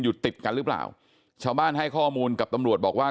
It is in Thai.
ติดกันหรือเปล่าชาวบ้านให้ข้อมูลกับตำรวจบอกว่า